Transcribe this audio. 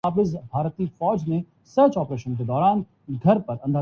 جس کے نتیجے میں مذکورہ صورتِ معاملہ پیدا ہو جاتی ہے